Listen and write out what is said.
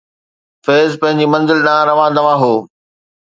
فيض پنهنجي منزل ڏانهن روان دوان هو